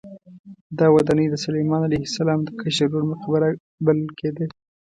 دا ودانۍ د سلیمان علیه السلام د کشر ورور مقبره بلل کېده.